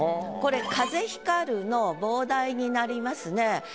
これ風光るの傍題になりますね。